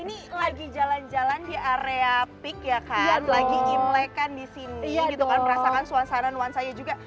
ini lagi jalan jalan di area pikirkan lagi imlek kan di sini gitu kan merasakan suasana suasanya juga